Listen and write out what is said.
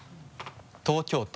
「東京都」